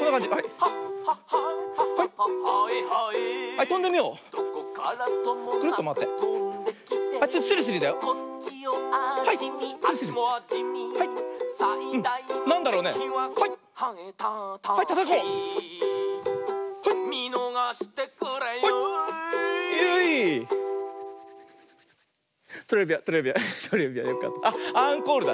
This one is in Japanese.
あっアンコールだ。